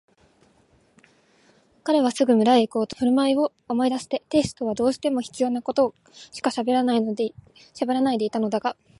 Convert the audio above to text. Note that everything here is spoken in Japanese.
彼はすぐ村へいこうとした。きのうのふるまいを思い出して亭主とはどうしても必要なことしかしゃべらないでいたのだったが、